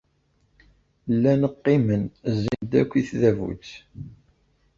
Llan qqimen, zzin-d akk i tdabut.